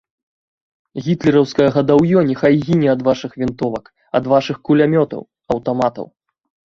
Гітлераўскае гадаўё няхай гіне ад вашых вінтовак, ад вашых кулямётаў, аўтаматаў!